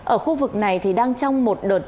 ở khu vực này thì đang trong một đợt